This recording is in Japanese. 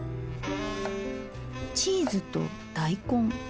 チーズと大根。